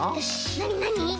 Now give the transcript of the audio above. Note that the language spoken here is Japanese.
なになに？